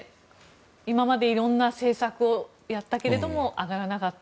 今までいろんな政策をやったけれども上がらなかった。